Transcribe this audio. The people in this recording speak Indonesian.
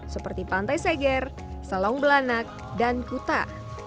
seperti pantai seger selong belanak dan kuta